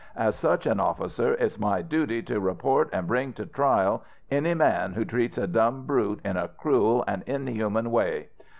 As such an officer it's my duty to report an' bring to trial any man who treats a dumb brute in a cruel an' inhuman way.